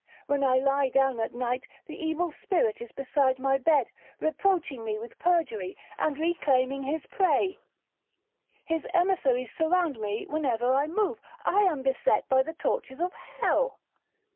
When I lie down at night, the evil spirit is beside my bed, reproaching me with perjury, and reclaiming his prey;—his emissaries surround me wherever I move,—I am beset by the tortures of hell.